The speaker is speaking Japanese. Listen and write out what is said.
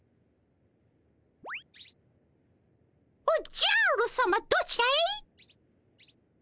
おっじゃるさまどちらへ？